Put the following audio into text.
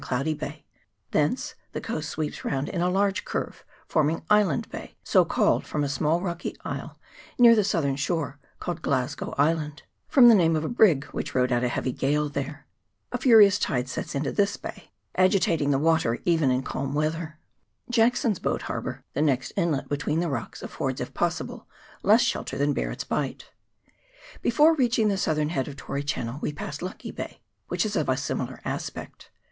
97 Cloudy Bay : thence the coast sweeps round in a large curve, forming Island Bay, so called from a small rocky isle near the southern shore, called Glasgow Island, from the name of a brig which rode out a heavy gale there. A furious tide sets into this bay, agitating the water even in calm weather. Jackson's Boat Harbour, the next inlet between the rocks, affords, if possible, less shelter than Bar ret's Bight. Before reaching the southern head of Tory Channel we pass Lucky Bay, which is of a similar aspect.